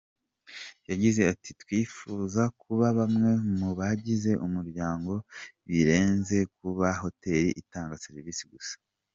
Yagize ati “Twifuza kuba bamwe mu bagize umuryango, birenze kuba hoteli itanga serivisi gusa.